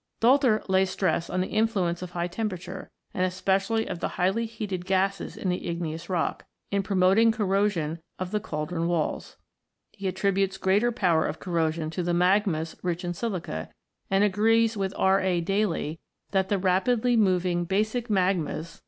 Doelter lays stress on the influence of high temperature, and especially of the highly heated gases in the igneous rock, in promoting corrosion of the cauldron walls. He attributes greater power of corrosion to the magmas rich in silica, and agrees with R. A. Daly that the rapidly moving basic magmas 126 ROCKS AND THEIR ORIGINS [CH.